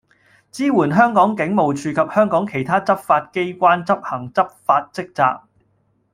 支援香港警務處及香港其他執法機關執行執法職責